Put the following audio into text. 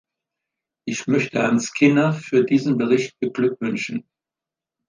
Ich möchte Herrn Skinner für diesen Bericht beglückwünschen.